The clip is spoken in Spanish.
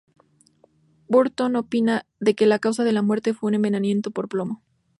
Burton opina de que la causa de la muerte fue un envenenamiento por plomo.